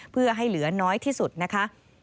เพื่อให้เหลือน้อยที่สุดนะคะ